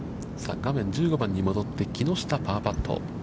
画面は１５番に戻って、木下、パーパット。